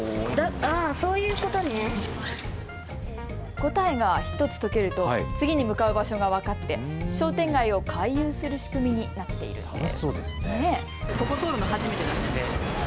答えが１つ解けると次に向かう場所が分かって商店街を回遊する仕組みになっているんです。